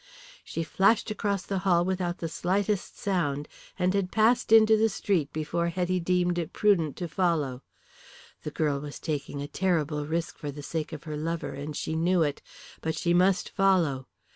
She flashed across the hall without the slightest sound, and had passed into the street before Hetty deemed it prudent to follow. The girl was taking a terrible risk for the sake of her lover, and she knew it. But she must follow.